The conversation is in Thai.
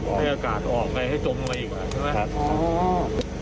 แค่กาตออกไว้ให้จมในตรงนี่ก่อนใช่ไหม